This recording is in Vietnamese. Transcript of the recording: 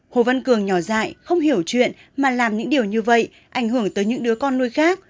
hồ văn cường nhỏ dại không hiểu chuyện mà làm những điều như vậy ảnh hưởng tới những đứa con nuôi khác